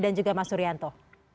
dan juga mas urianto